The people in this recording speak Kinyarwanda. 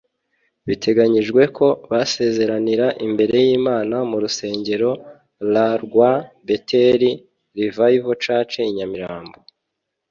Biteganijwe ko basezeranira imbere y’Imana mu rusengero rrwa Bethel Revival Church i Nyamirambo